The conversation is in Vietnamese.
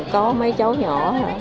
có mấy cháu nhỏ